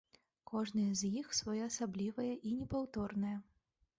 Кожнае з іх своеасаблівае і непаўторнае.